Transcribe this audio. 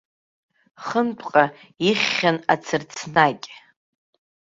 Хынтәҟа ихьхьан ацырцнакь.